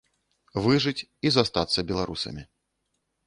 Выжыць і застацца беларусамі.